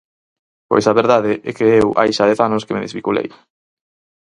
Pois a verdade é que eu hai xa dez anos que me desvinculei.